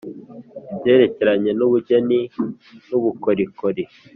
ibyerekeranye n ubugeni n ubukorikori